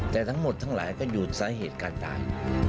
แต่ทั้งหมดทั้งหลายก็อยู่สาเหตุการตาย